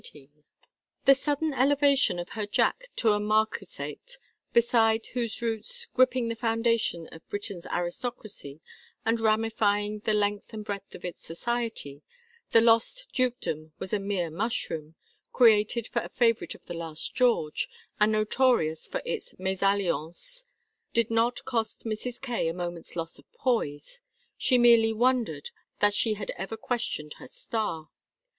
XIX The sudden elevation of her Jack to a marquisate, beside whose roots, gripping the foundations of Britain's aristocracy, and ramifying the length and breadth of its society, the lost dukedom was a mere mushroom, created for a favorite of the last George, and notorious for its mésalliances, did not cost Mrs. Kaye a moment's loss of poise. She merely wondered that she had ever questioned her star.